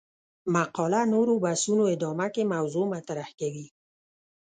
مقاله نورو بحثونو ادامه کې موضوع مطرح کوي.